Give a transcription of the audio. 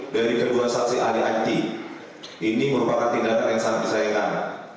dari kedua saksi adi adi ini merupakan tindakan yang sangat disaingkan